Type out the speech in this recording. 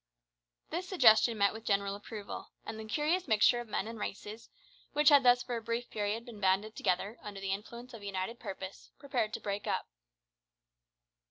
This suggestion met with general approval, and the curious mixture of men and races, which had thus for a brief period been banded together under the influence of a united purpose, prepared to break up.